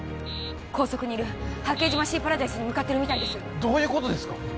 高速にいる八景島シーパラダイスに向かってるみたいですどういうことですか？